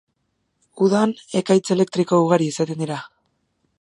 Udan ekaitz elektriko ugari izaten dira.